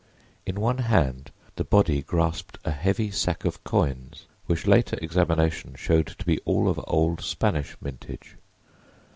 In one hand the body grasped a heavy sack of coins, which later examination showed to be all of old Spanish mintage.